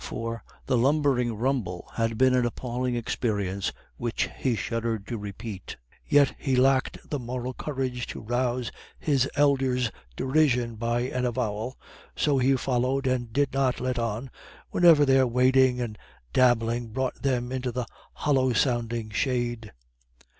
For the lumbering rumble had been an appalling experience, which he shuddered to repeat. Yet he lacked the moral courage to rouse his elders' derision by an avowal, so he followed, and did not let on, whenever their wading and dabbling brought them into the hollow sounding shade.